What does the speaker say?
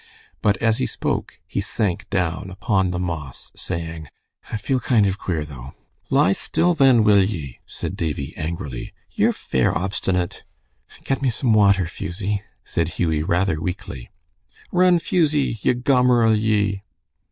But as he spoke he sank down upon the moss, saying, "I feel kind of queer, though." "Lie still, then, will ye," said Davie, angrily. "Ye're fair obstinate." "Get me some water, Fusie," said Hughie, rather weakly. "Run, Fusie, ye gomeril, ye!"